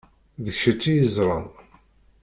D kečč i yeẓṛan.